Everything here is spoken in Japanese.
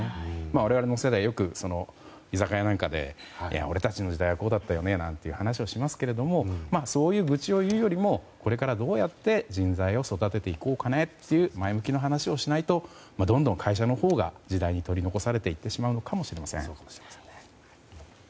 我々の世代、よく居酒屋なんかで俺たちの時代はこうだったよねなんていう話をしますがそういう愚痴を言うよりもこれから、どうやって人材を育てていこうかねという前向きな話をしないとどんどん会社のほうが時代に取り残されていってしまうのかもしれません。